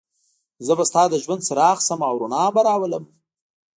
زه به ستا د ژوند څراغ شم او رڼا به راولم.